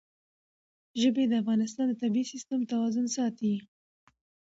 ژبې د افغانستان د طبعي سیسټم توازن ساتي.